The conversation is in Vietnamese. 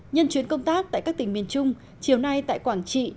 nhân chuyến công tác tại các tỉnh miền trung chiều nay tại quảng trị